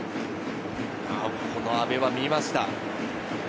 阿部は見ました。